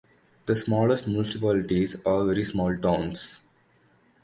The smallest municipalities are very small towns.